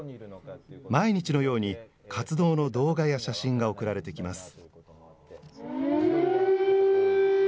毎日のように活動の動画や写真が送られてきます。